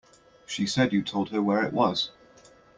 She said you told her where it was.